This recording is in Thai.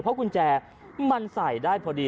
เพราะกุญแจมันใส่ได้พอดี